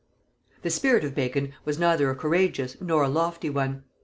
The spirit of Bacon was neither a courageous nor a lofty one.